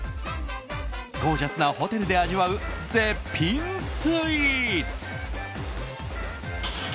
ゴージャスなホテルで味わう絶品スイーツ。